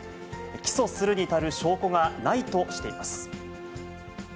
起訴するに足る証拠がないとしています。